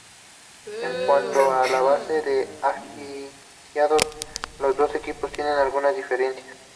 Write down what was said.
En cuanto a su base de aficionados, los dos equipos tienen algunas diferencias.